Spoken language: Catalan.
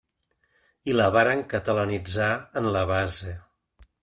I la varen catalanitzar en la base.